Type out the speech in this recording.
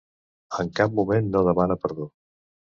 En cap moment no demana perdó.